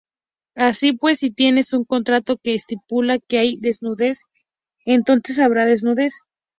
Así pues, si tienes un contrato que estipula que hay desnudez, entonces habrá desnudez.